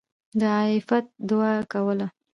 د عافيت دعاء کوله!!.